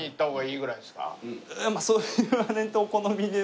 まあそう言われるとお好みで。